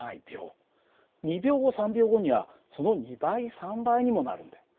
２秒後３秒後にはその２倍３倍にもなるんだよ。